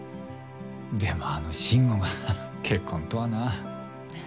でもあの慎吾が結婚とはな。